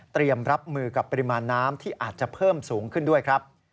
รับมือกับปริมาณน้ำที่อาจจะเพิ่มสูงขึ้นด้วยครับ